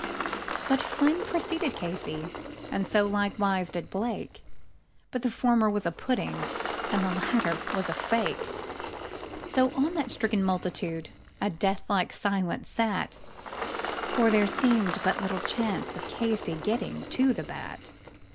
But Flynn preceded Casey, and likewise so did Blake, And the former was a pudding and the latter was a fake; So on that stricken multitude a death like silence sat, For there seemed but little chance of Casey's getting to the bat.